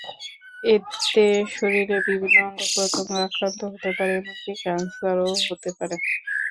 এতে শরীরের বিভিন্ন অঙ্গ-প্রত্যঙ্গ আক্রান্ত হতে পারে, এমনকি ক্যানসারও হতে পারে।